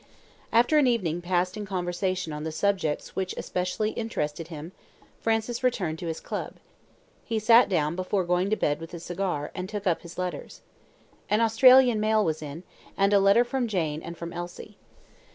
After an evening passed in conversation on the subjects which especially interested him, Francis returned to his club. He sat down before going to bed with a cigar, and took up his letters. An Australian mail was in, and a letter from Jane and from Elsie.